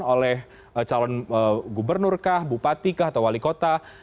oleh calon gubernur kah bupati kah atau wali kota